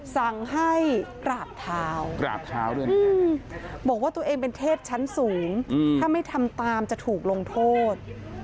สั่งให้กราบเท้าบอกว่าตัวเองเป็นเทพชั้นสูงถ้าไม่ทำตามจะถูกลงโทษ